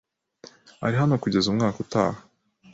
Ari hano kugeza umwaka utaha.